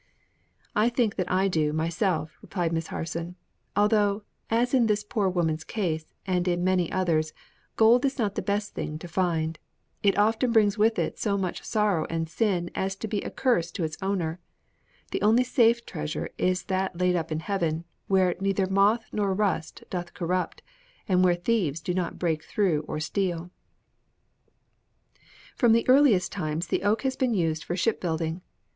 "I think that I do, myself," replied Miss Harson, "although, as in this poor woman's case and in many others, gold is not the best thing to find. It often brings with it so much sorrow and sin as to be a curse to its owner. The only safe treasure is that laid up in heaven, where 'neither moth nor rust doth corrupt, and where thieves do not break through nor steal,' "From the very earliest times the oak has been used for shipbuilding.